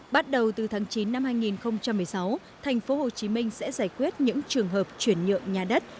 bắt đầu từ tháng chín năm hai nghìn một mươi sáu thành phố hồ chí minh sẽ giải quyết những trường hợp chuyển nhượng nhà đất